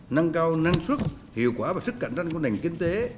nâng cao năng suất hiệu quả và sức cạnh tranh của nền kinh tế